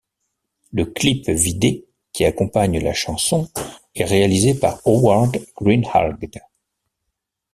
Le clip vidé qui accompagne la chanson, est réalisé par Howard Greenhalgh.